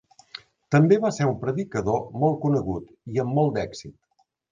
També va ser un predicador molt conegut i amb molt d"èxit.